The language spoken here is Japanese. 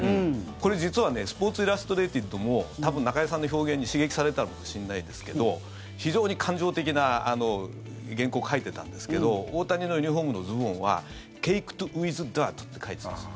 これ、実は「スポーツ・イラストレイテッド」も多分、中居さんの表現に刺激されたのかもしれないですが非常に感情的な原稿を書いてたんですけど大谷のユニホームのズボンはｃａｋｅｄｗｉｔｈｄｉｒｔって書いてたんです。